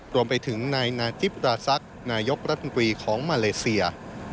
รวมไปถึงนายนาธิปราศักดิ์นายกรัฐมนตรีของมาเลเซีย